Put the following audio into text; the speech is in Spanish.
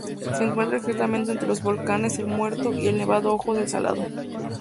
Se encuentra exactamente entre los volcanes El Muerto y el Nevado Ojos del Salado.